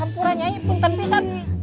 ampura nya itu ntar bisa